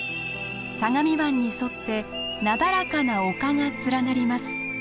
相模湾に沿ってなだらかな丘が連なります。